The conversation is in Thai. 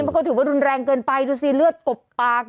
เขาก็ถือว่ารุนแรงเกินไปดูสิเลือดกบปาก